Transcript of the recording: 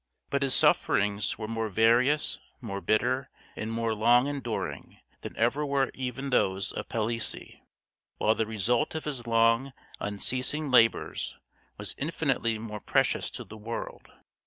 But his sufferings were more various, more bitter, and more long enduring than ever were even those of Palissy; while the result of his long, unceasing labors was infinitely more precious to the world.